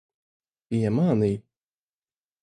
Piemānīji.